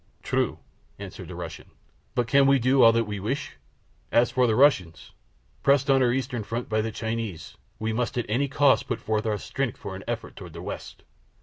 "True," answered the Russian; "but can we do all that we wish? As for us Russians, pressed on our eastern frontier by the Chinese, we must at any cost put forth our strength for an effort toward the west."